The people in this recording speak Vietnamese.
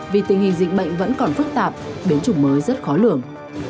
vì tình hình dịch bệnh vẫn còn phức tạp biến chủng mới rất khó lường